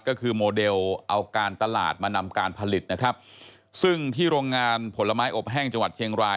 ก็คือโมเดลเอาการตลาดมานำการผลิตนะครับซึ่งที่โรงงานผลไม้อบแห้งจังหวัดเชียงราย